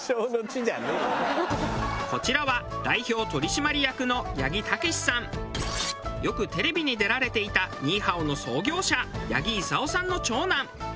こちらはよくテレビに出られていたニーハオの創業者八木功さんの長男。